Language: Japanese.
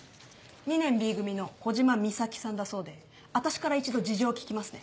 ２年Ｂ組の小嶋岬さんだそうで私から一度事情を聞きますね。